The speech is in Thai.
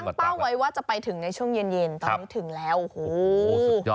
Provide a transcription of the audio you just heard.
ตอนแรกคือตั้งเป้าไว้ว่าจะไปถึงในช่วงเย็นตอนนี้ถึงแล้วโอ้โฮ